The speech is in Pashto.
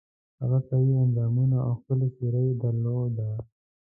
هغه قوي اندامونه او ښکلې څېره یې درلوده.